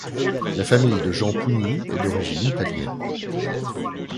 La famille de Jean Pougny est d’origine italienne.